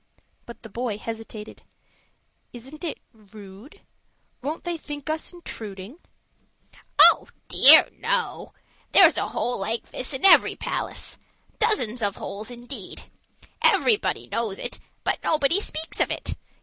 But the boy hesitated. "Isn't it rude? won't they think us intruding?" "Oh, dear no! there's a hole like this in every palace; dozens of holes, indeed. Everybody knows it, but nobody speaks of it.